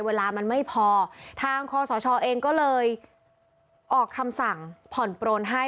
เวลามันไม่พอทางคอสชเองก็เลยออกคำสั่งผ่อนปลนให้